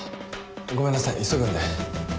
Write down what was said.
ごめんなさい急ぐんで。